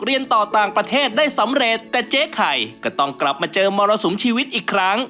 เรียนต่อต่างประเทศได้สำเร็จแต่เจ๊ไข่ก็ต้องกลับมาเจอมรสุมชีวิตอีกครั้ง